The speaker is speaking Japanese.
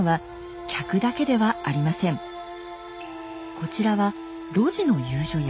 こちらは路地の遊女屋。